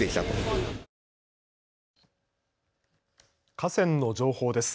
河川の情報です。